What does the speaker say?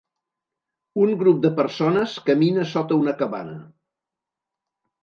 Un grup de persones camina sota una cabana.